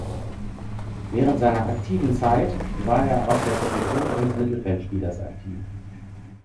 Während seiner aktiven Zeit war er auf der Position eines Mittelfeldspielers aktiv.